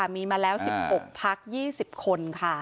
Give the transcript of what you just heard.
มีมาแล้ว๑๖พัก๒๐คนค่ะ